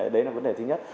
đấy là vấn đề thứ nhất